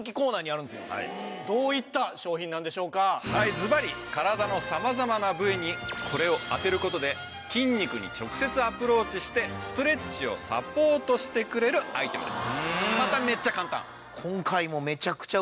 ずばり体の様々な部位にこれを当てる事で筋肉に直接アプローチしてストレッチをサポートしてくれるアイテムです。